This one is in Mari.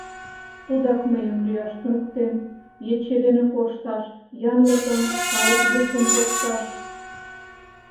Тудак мыйым лӱяш туныктен, ече дене кошташ, янлыкым, кайыквусым покташ...